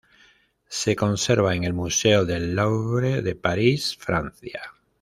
Se conserva en el Museo del Louvre de París, Francia.